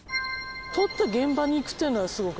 撮った現場に行くっていうのはすごく大事。